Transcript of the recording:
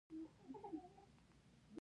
د صلې او انعام له خامي طمعي څخه کړي وي.